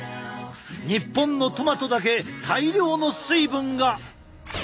日本のトマトだけ大量の水分が！